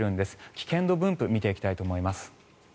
危険度分布を見ていきたいと思います。